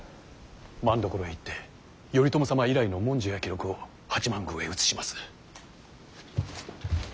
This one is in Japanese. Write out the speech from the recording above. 政所へ行って頼朝様以来の文書や記録を八幡宮へ移します。